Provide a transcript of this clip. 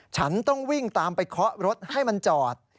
ฉันต้องวิ่งตามไปเคาะรถให้มันจอด